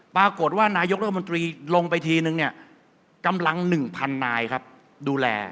ปรากฏว่านายกรัฐมนตรีลงไปทีนึงเนี่ยกำลัง๑๐๐นายครับดูแล